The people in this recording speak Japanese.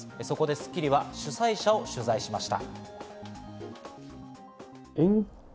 『スッキリ』では主催者を取材しました。